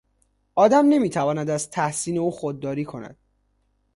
آدم نمیتواند از تحسین او خودداری کند.